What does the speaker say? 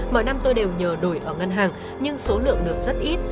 mọi năm tôi đều nhờ đổi ở ngân hàng nhưng số lượng được rất ít